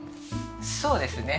そうですね。